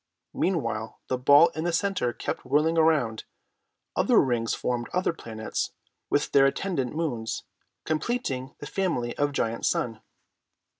Meanwhile the ball in the center kept whirling around, other rings formed other planets with their attendant moons, completing the family of Giant Sun.